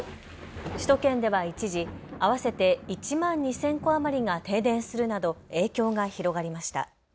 首都圏では一時、合わせて１万２０００戸余りが停電するなど影響が広がりました。